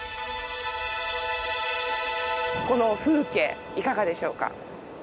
この風景いかがでしょうか？